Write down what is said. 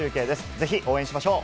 ぜひ応援しましょう。